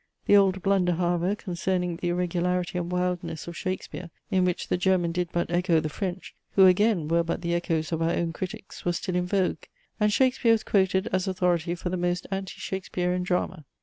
The old blunder, however, concerning the irregularity and wildness of Shakespeare, in which the German did but echo the French, who again were but the echoes of our own critics, was still in vogue, and Shakespeare was quoted as authority for the most anti Shakespearean drama.